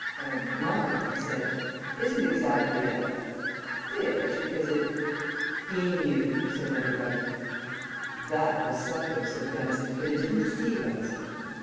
"Mine," he said, "isn't exactly a fish, because it " "Emu," said everybody. "That was subtler," said Dennis, "but it didn't deceive us."